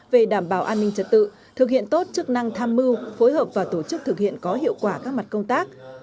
về đảm bảo an ninh trật tự thực hiện tốt chức năng tham mưu phối hợp và tổ chức thực hiện có hiệu quả các mặt công tác